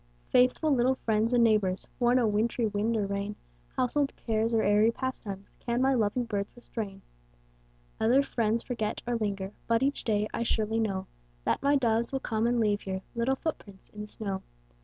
Faithful little friends and neighbors, For no wintry wind or rain, Household cares or airy pastimes, Can my loving birds restrain. Other friends forget, or linger, But each day I surely know That my doves will come and leave here Little footprints in the snow.